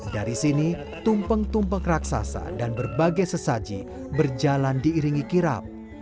dari sini tumpeng tumpeng raksasa dan berbagai sesaji berjalan diiringi kirap